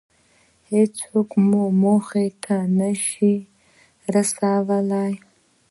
هېڅوک مو موخې ته نشي رسولی.